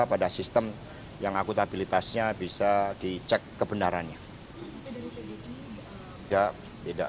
pada sistem yang akutabilitasnya bisa dicek kebenarannya